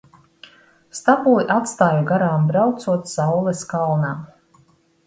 Stabuli atstāju garām braucot saules kalnā.